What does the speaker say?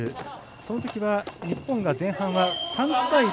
そのときは日本が前半は３対０。